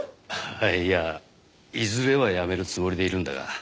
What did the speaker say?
いやいずれはやめるつもりでいるんだが。